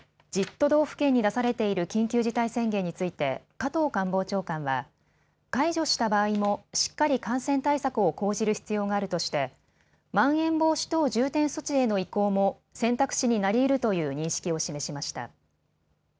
都道府県に出されている緊急事態宣言について加藤官房長官は解除した場合もしっかり感染対策を講じる必要があるとしてまん延防止等重点措置への移行も選択肢になりうるという認識を示しました。